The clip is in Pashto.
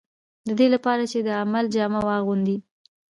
د دې لپاره چې د عمل جامه واغوندي.